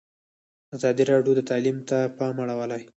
ازادي راډیو د تعلیم ته پام اړولی.